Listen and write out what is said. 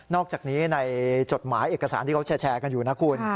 อกจากนี้ในจดหมายเอกสารที่เขาแชร์กันอยู่นะคุณ